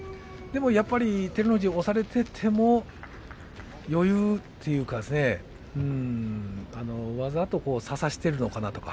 照ノ富士に押されていても余裕というかわざと差さしているのかなと。